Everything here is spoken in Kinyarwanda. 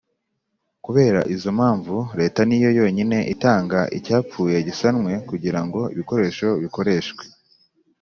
Kubera izo mpamvu, Leta ni yo yonyine itanga Icyapfuye Gisanwe Kugira Ngo Ibikoresho Bikoreshwe